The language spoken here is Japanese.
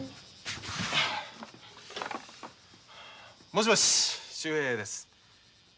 もしもし秀平です。